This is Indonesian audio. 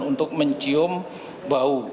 untuk mencium bau